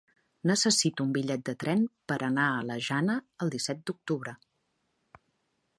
Necessito un bitllet de tren per anar a la Jana el disset d'octubre.